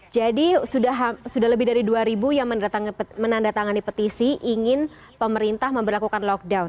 jadi sudah lebih dari dua yang menandatangani petisi ingin pemerintah memperlakukan lockdown